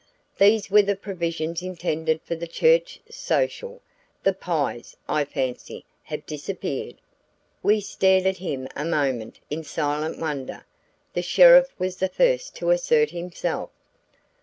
"These were the provisions intended for the church social; the pies, I fancy, have disappeared." We stared at him a moment in silent wonder. The sheriff was the first to assert himself.